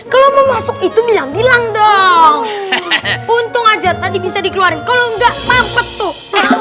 kalau mau masuk itu bilang milang dong untung aja tadi bisa dikeluarkan kalau enggak mampet tuh